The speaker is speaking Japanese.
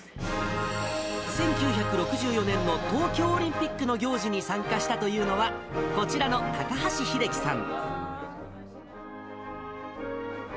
１９６４年の東京オリンピックの行事に参加したというのは、こちらの高橋秀樹さん。